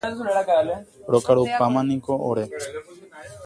Rokarupámaniko ore.